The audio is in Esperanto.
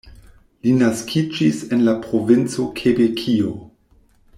Li naskiĝis en la provinco Kebekio.